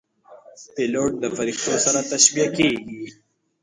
پیلوټ د پرښتو سره تشبیه کېږي.